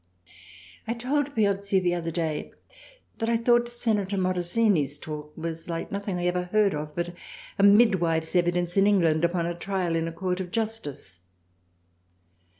I told Piozzi the other day that I thought Senator Morosini's talk was like nothing I ever heard of but a Midwife's evidence in England upon a Tryal in a Court of Justice.